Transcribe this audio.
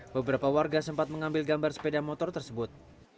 beberapa warga sempat mengambil gambar sepeda motor tersebut